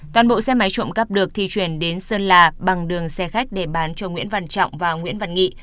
toàn bộ xe máy trộm cắp được thì chuyển đến sơn la bằng đường xe khách để bán cho nguyễn văn trọng và nguyễn văn nghị